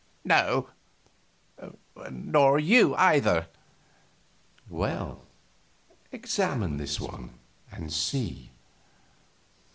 "No nor you, either." "Well, examine this one and see."